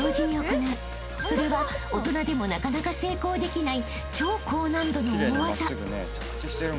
［それは大人でもなかなか成功できない超高難度の大技］